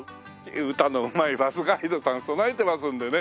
歌のうまいバスガイドさんそろえてますんでね